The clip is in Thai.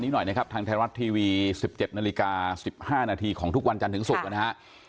นี้หน่อยนะครับทางไทยรัฐทีวีสิบเจ็ดนาฬิกาสิบห้านาทีของทุกวันจันทร์ถึงศุกร์นะคะ